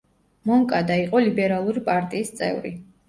მონკადა იყო ლიბერალური პარტიის წევრი.